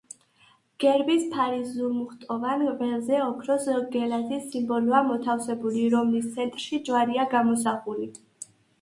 გერბის ფარის ზურმუხტოვან ველზე ოქროს გელათის სიმბოლოა მოთავსებული, რომლის ცენტრში ჯვარია გამოსახული.